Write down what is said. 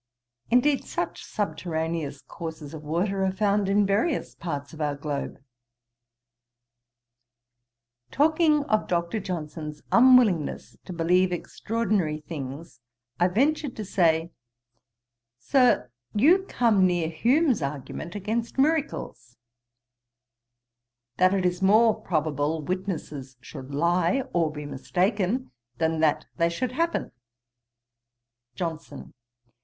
Indeed, such subterraneous courses of water are found in various parts of our globe. Talking of Dr. Johnson's unwillingness to believe extraordinary things, I ventured to say, 'Sir, you come near Hume's argument against miracles, "That it is more probable witnesses should lie, or be mistaken, than that they should happen."' JOHNSON.